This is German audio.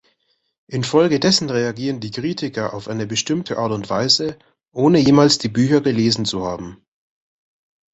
Infolgedessen reagieren die Kritiker auf eine bestimmte Art und Weise, ohne jemals die Bücher gelesen zu haben.